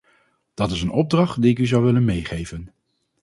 Dat is een opdracht die ik u zou willen meegeven.